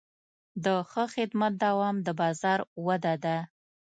د ښه خدمت دوام د بازار وده ده.